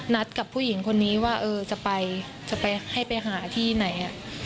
นัดกับผู้หญิงคนนี้ว่าเออจะไปจะไปให้ไปหาที่ไหน